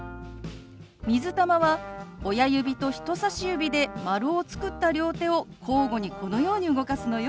「水玉」は親指と人さし指で丸を作った両手を交互にこのように動かすのよ。